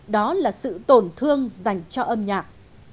đó là sự tổn thương dành cho âm nhạc